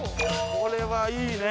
これはいいね